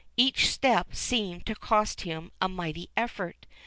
Each step seemed to cost him a mighty effort.